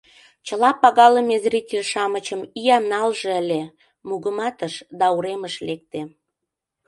— Чыла пагалыме зритель-шамычым ия налже ыле, — мугыматыш да уремыш лекте.